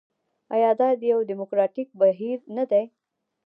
آیا دا یو ډیموکراټیک بهیر نه دی؟